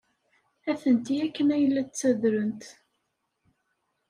Atenti akken ay la d-ttadrent.